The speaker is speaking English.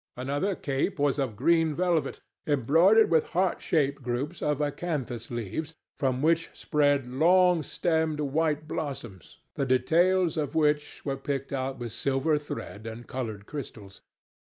Another cope was of green velvet, embroidered with heart shaped groups of acanthus leaves, from which spread long stemmed white blossoms, the details of which were picked out with silver thread and coloured crystals.